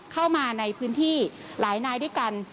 เข้ามาในพื้นที่หลายนายด้วยกัน